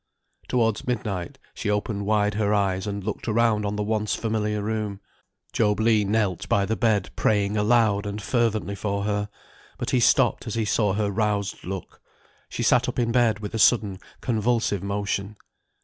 Towards midnight, she opened wide her eyes and looked around on the once familiar room; Job Legh knelt by the bed praying aloud and fervently for her, but he stopped as he saw her roused look. She sat up in bed with a sudden convulsive motion.